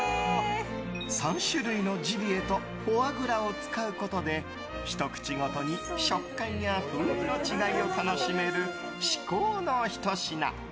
３種類のジビエとフォアグラを使うことでひと口ごとに食感や風味の違いを楽しめる、至高のひと品。